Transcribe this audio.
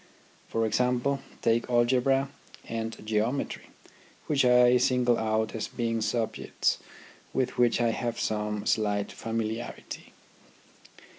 For example, take algebra and geometry, which I single out as being subjects with which I have some THE RHYTHM OF EDUCATION 23 slight familiarity.